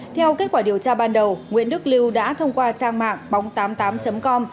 theo kết quả điều tra ban đầu nguyễn đức lưu đã thông qua trang mạng bóng tám mươi tám com